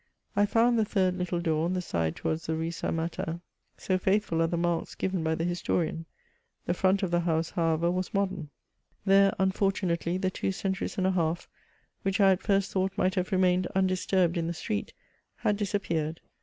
I found the third little door on the side towards the Rue St. Martin, so faithful are CHATEAUBRIAND. 169 the marks given by the historian. ^ The front of the house, however, was modem. There, unfortunately, the two cen turies and a half, which I at first thought might have remained undisturbed in the street, had disappeared.